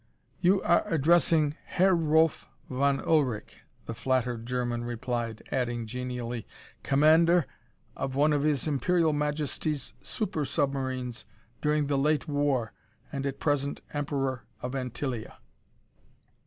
"You are addressing Herr Rolf von Ullrich," the flattered German replied, adding genially: "commander of one of His Imperial Majesty's super submarines during the late war and at present Emperor of Antillia."